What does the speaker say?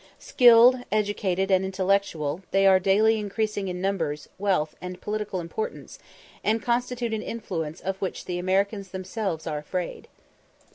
Skilled, educated, and intellectual, they are daily increasing in numbers, wealth, and political importance, and constitute an influence of which the Americans themselves are afraid.